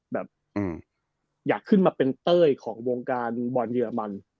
แบบอยากขึ้นมาเป็นเต้ยของวงการบอลเยอรมัน